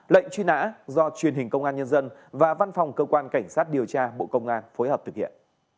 lệnh truy nã do truyền hình công an nhân dân và văn phòng cơ quan cảnh sát điều tra bộ công an phối hợp thực hiện